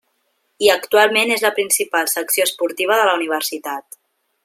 I actualment és la principal secció esportiva de la universitat.